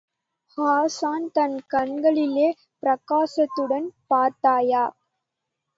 ஹாஸான், தன் கண்களிலே பிரகாசத்துடன், பார்த்தாயா?